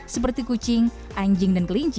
seperti kucing anjing dan kelinci